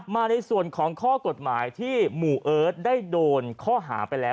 มาในส่วนของข้อกฎหมายที่หมู่เอิร์ทได้โดนข้อหาไปแล้ว